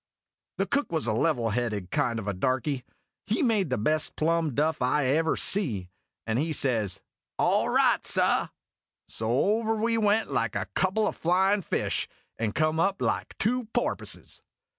The Cook was a level headed kind of a darky, he made the best plum duff I ever see, and he says: "All right, sah." So over we went like a couple o' flying fish, and come up like two por poises.